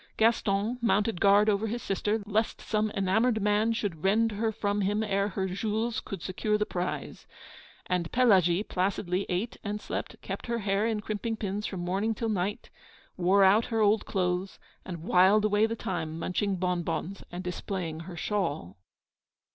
Gaston mounted guard over his sister, lest some enamoured man should rend her from them ere her Jules could secure the prize. And Pelagie placidly ate and slept, kept her hair in crimping pins from morning till night, wore out her old clothes, and whiled away the time munching bonbons and displaying her shawl.